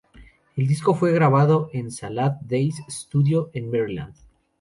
El disco fue grabado en Salad Days Studio en Maryland.